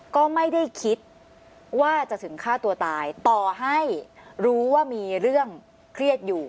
ก็ไม่ได้คิดว่าจะถึงฆ่าตัวตายต่อให้รู้ว่ามีเรื่องเครียดอยู่